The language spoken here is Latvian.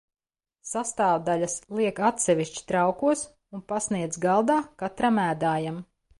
Sastāvdaļas liek atsevišķi traukos un pasniedz galdā katram ēdājam.